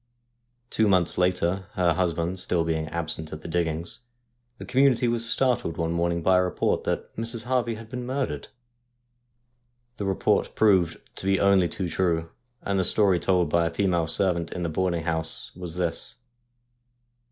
Two months later, her husband still being absent at the diggings, the community was startled one morn ing by a report that Mrs. Harvey had been murdered. The report proved to be only too true, and the story told by a female servant in the boarding house was this.